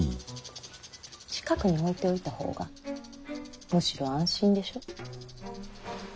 近くに置いておいた方がむしろ安心でしょ？